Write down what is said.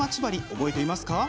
覚えていますか？